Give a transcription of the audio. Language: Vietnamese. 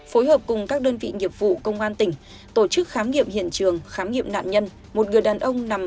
hợp vụ công an tỉnh tổ chức khám nghiệm hiện trường khám nghiệm nạn nhân một người đàn ông nằm